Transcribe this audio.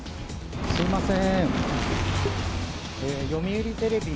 すみません。